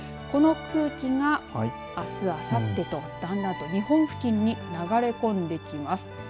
この空気が、あすあさってとだんだんと日本付近に流れ込んできます。